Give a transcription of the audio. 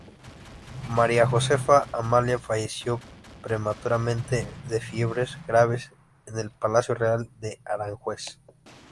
María Josefa Amalia falleció prematuramente de fiebres graves en el Palacio Real de Aranjuez.